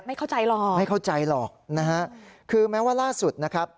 ไม่เข้าใจหรอกไม่เข้าใจหรอกนะฮะคือแม้ว่าล่าสุดนะครับ